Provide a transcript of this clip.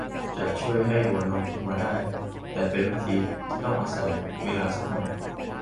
จะช่วยให้หัวนมขึ้นมาได้ แต่เป็นวิธีที่ต้องอาศัยเวลาสักหน่อย